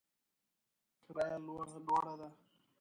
کرایه لوړه ده